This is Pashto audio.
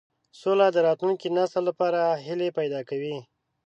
سوله د راتلونکي نسل لپاره هیلې پیدا کوي.